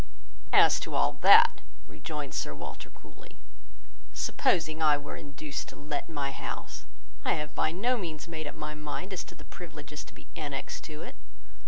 "As to all that," rejoined Sir Walter coolly, "supposing I were induced to let my house, I have by no means made up my mind as to the privileges to be annexed to it.